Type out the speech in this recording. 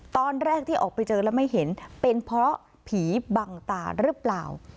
ตอนแรกที่ออกไปเจอแล้วไม่เห็นเป็นเพราะผีบังตาหรือเปล่า